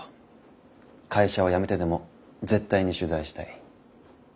会社を辞めてでも絶対に取材したい。